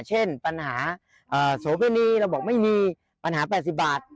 เช่นปัญหาโสเพณีเราบอกไม่มีปัญหา๘๐บาท